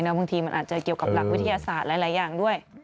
บางทีมันอาจจะเกี่ยวกับหลักวิทยาศาสตร์หลายอย่างด้วย